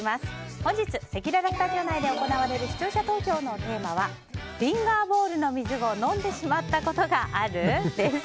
本日せきららスタジオ内で行われる視聴者投票のテーマはフィンガーボウルの水を飲んでしまったことがある？です。